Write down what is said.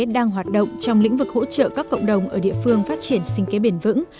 đang hoạt động trong lĩnh vực hỗ trợ các cộng đồng ở địa phương phát triển sinh kế bền vững